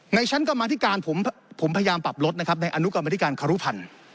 ชั้นกรรมธิการผมพยายามปรับลดนะครับในอนุกรรมธิการครุพันธ์